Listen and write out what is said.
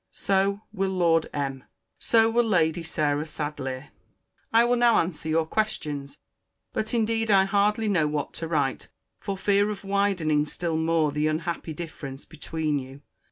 So will Lord M. So will Lady Sarah Sadleir. I will now answer your questions: but indeed I hardly know what to write, for fear of widening still more the unhappy difference between you.